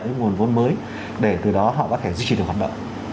những nguồn vốn mới để từ đó họ có thể duy trì được hoạt động